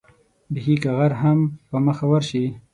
بېخي که غر هم په مخه ورشي.